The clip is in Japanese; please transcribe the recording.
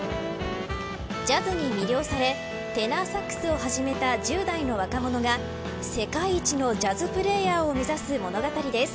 ジャズに魅了されテナーサックスを始めた１０代の若者が世界一のジャズプレーヤーを目指す物語です。